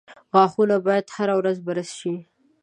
• غاښونه باید هره ورځ برس شي.